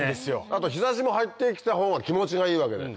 あと日差しも入ってきた方が気持ちがいいわけで。